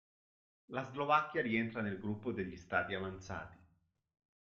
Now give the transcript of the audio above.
La Slovacchia rientra nel gruppo degli Stati avanzati.